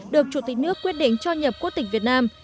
được chủ tịch nước quyết định cho nhập quốc tịch việt nam